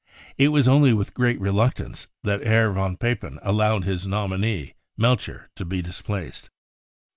It was only with great reluctance that Herr von Papen allowed his nominee, Melcher, to be displaced.